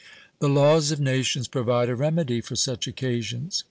The laws of nations provide a remedy for such occasions.